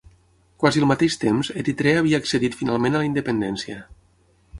Quasi al mateix temps Eritrea havia accedit finalment a la independència.